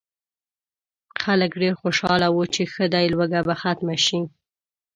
خلک ډېر خوشاله وو چې ښه دی لوږه به ختمه شي.